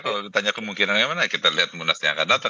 kalau ditanya kemungkinan yang mana kita lihat munas yang akan datang